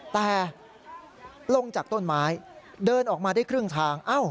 แต่ลงจากต้นไม้เดินออกมาได้ครึ่งทาง